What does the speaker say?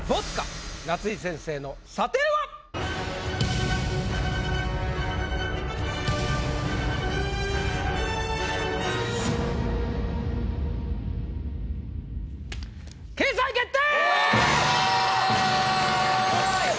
夏井先生の査定は⁉掲載決定！